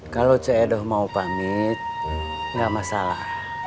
kalau cedoh mau pamit nggak masalah